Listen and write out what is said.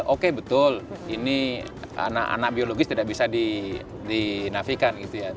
oke betul ini anak anak biologis tidak bisa dinafikan gitu ya